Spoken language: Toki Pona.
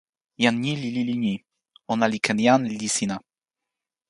jan ni li lili ni: ona li ken jan lili sina.